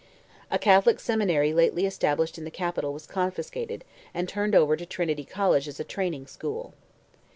A Catholic seminary lately established in the capital was confiscated, and turned over to Trinity College as a training school.